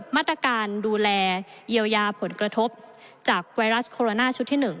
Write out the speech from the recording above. มาตรการดูแลเยียวยาผลกระทบจากไวรัสโคโรนาชุดที่๑